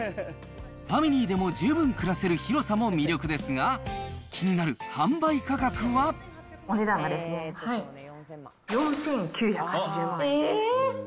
ファミリーでも十分暮らせる広さも魅力ですが、気になる販売価格お値段がですね、えー！